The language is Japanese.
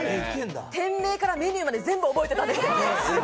店名からメニューまで全部覚えてたね。